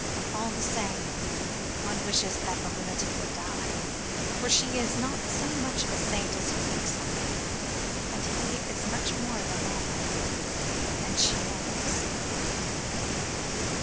All the same, one wishes that the lunatic would die for she is not so much of a saint as he thinks her, and he is more of a man than she knows.